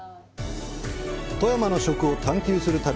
富山の食を探求する旅。